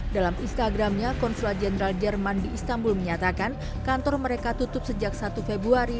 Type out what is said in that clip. dalam instagramnya konsulat jenderal jerman di istanbul menyatakan kantor mereka tutup sejak satu februari